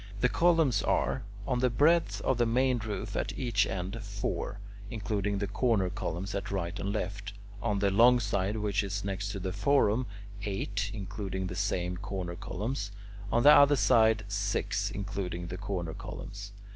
The columns are: on the breadth of the main roof at each end, four, including the corner columns at right and left; on the long side which is next to the forum, eight, including the same corner columns; on the other side, six, including the corner columns.